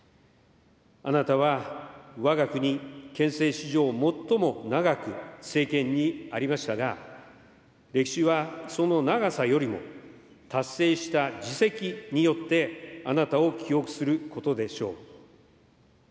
あなたはわが国憲政史上最も長く政権にありましたが、歴史はその長さよりも、達成した事績によって、あなたを記憶することでしょう。